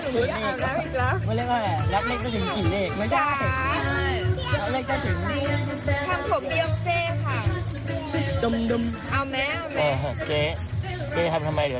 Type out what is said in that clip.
วันนี้พวกมันน่ารักมากเลย